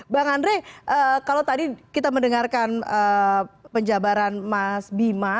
bang andre kalau tadi kita mendengarkan penjabaran mas bima